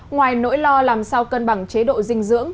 ngoài nỗi lo làm sao cân bằng chế độ dinh dưỡng